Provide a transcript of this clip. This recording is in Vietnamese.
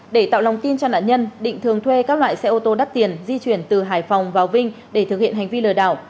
để tạo lòng tin cho nạn nhân định thường thuê các loại xe ô tô đắt tiền di chuyển từ hải phòng vào vinh để thực hiện hành vi lừa đảo